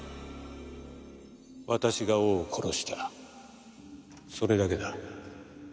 私が王を殺したそれだけだ。